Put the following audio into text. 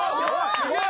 すげえ！